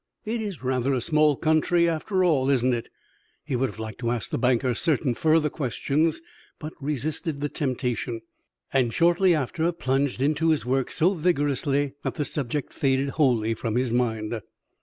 It is rather a small country, after all, isn't it?" He would have liked to ask the banker certain further questions, but resisted the temptation, and shortly after plunged into his work so vigorously that the subject faded wholly from his mind.